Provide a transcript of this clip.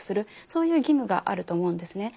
そういう義務があると思うんですね。